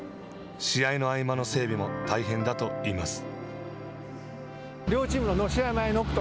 試合の合間の整備も大変だといいます。